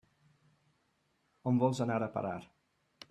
On vols anar a parar?